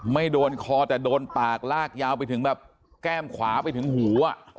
ไม่โดนคอแต่โดนปากลากยาวไปถึงแบบแก้มขวาไปถึงหู